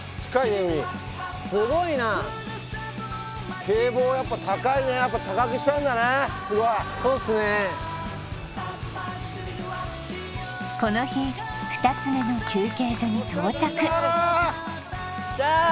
海すごいな堤防やっぱ高いねやっぱ高くしたんだねすごいそうっすねこの日２つ目の休憩所に到着っ